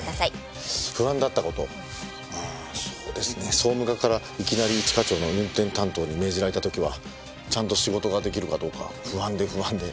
総務課からいきなり一課長の運転担当に命じられた時はちゃんと仕事ができるかどうか不安で不安で。